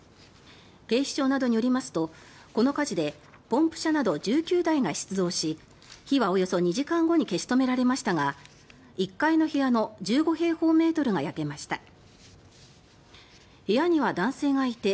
警視庁などによりますとこの火事でポンプ車など１９台が出動し火はおよそ２時間後に消し止められましたが１階の部屋の１５平方メートルが焼けました。